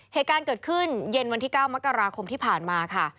เหตุการณ์เกิดขึ้นเย็นวันที่๙มกราคมที่ผ่านมาค่ะ